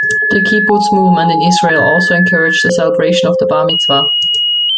The kibbutz movement in Israel also encouraged the celebration of the bar mitzvah.